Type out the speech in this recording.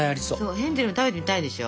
ヘンゼルも食べてみたいでしょ。